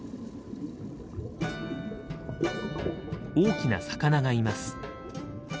大きな魚がいます。